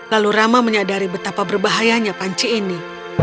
lalu rama menyadari betapa berbahayanya panci ini